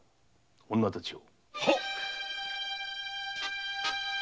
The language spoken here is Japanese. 女たちを！